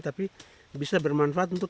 tapi bisa bermanfaat untuk